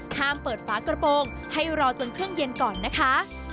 ห้ามเปิดฝากระโปรงให้รอจนเครื่องเย็นก่อนนะคะ